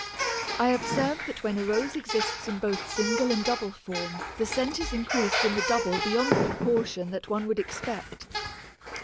I observe that when a Rose exists in both single and double form the scent is increased in the double beyond the proportion that one would expect.